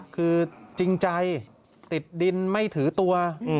คือจริงใจติดดินไม่ถือตัว